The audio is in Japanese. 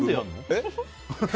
えっ？